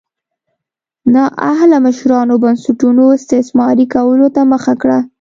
نااهله مشرانو بنسټونو استثماري کولو ته مخه کړه.